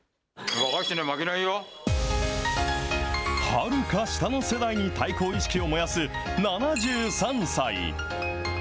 はるか下の世代に対抗意識を燃やす７３歳。